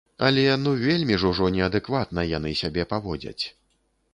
Але ну вельмі ж ужо неадэкватна яны сябе паводзяць.